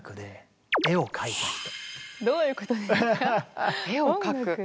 どういうことですか？